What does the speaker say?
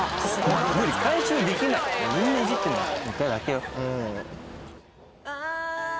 無理回収できないみんないじってんだもん。